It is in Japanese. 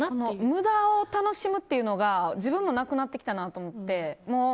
無駄を楽しむっていうのが自分もなくなってきたなと思って。